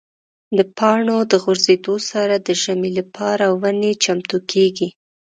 د پاڼو د غورځېدو سره د ژمي لپاره ونې چمتو کېږي.